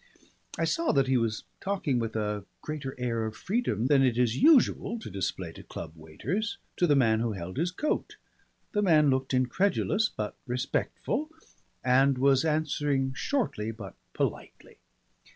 I saw that he was talking with a greater air of freedom than it is usual to display to club waiters, to the man who held his coat. The man looked incredulous but respectful, and was answering shortly but politely.